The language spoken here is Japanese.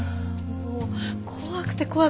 もう怖くて怖くて。